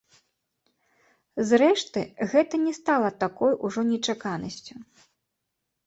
Зрэшты, гэта не стала такой ужо нечаканасцю.